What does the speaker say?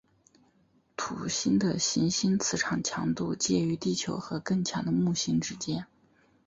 土星的行星磁场强度介于地球和更强的木星之间。